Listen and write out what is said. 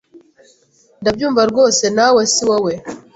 Ndabyumva rwose nawe siwowe.